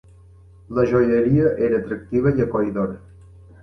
La joieria era atractiva i acollidora.